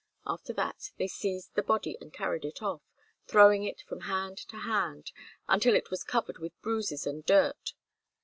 After that they seized the body and carried it off, throwing it from hand to hand, until it was covered with bruises and dirt.